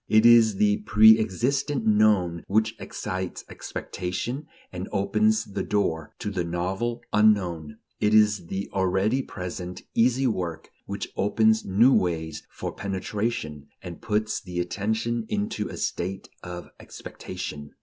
It is the preexistent "known" which excites expectation and opens the door to the novel "unknown"; and it is the already present "easy work" which opens new ways for penetration, and puts the attention into a state of expectation.